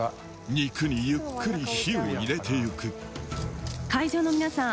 肉にゆっくり火を入れていく会場の皆さん